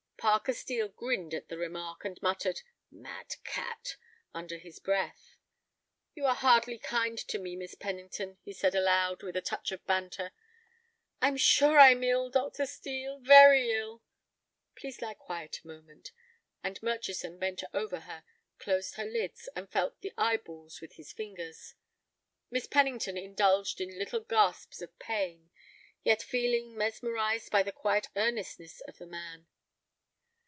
Parker Steel grinned at the remark, and muttered "mad cat" under his breath. "You are hardly kind to me, Miss Pennington," he said, aloud, with a touch of banter. "I'm sure I'm ill, Dr. Steel, very ill—" "Please lie quiet a moment," and Murchison bent over her, closed her lids, and felt the eyeballs with his fingers. Miss Pennington indulged in little gasps of pain, yet feeling mesmerized by the quiet earnestness of the man.